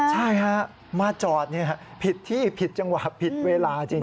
ใช่ฮะมาจอดผิดที่ผิดจังหวะผิดเวลาจริง